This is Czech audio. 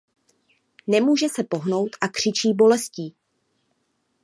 Nemůže se pohnout a křičí bolestí.